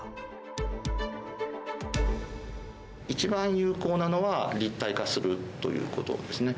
一番有効なのは、立体化するということですね。